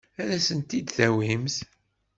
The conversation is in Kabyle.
Ad asen-t-id-tawimt?